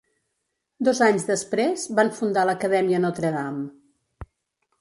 Dos anys després van fundar l'Acadèmia Notre Dame.